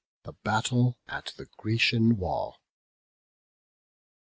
THE BATTLE AT THE GRECIAN WALL.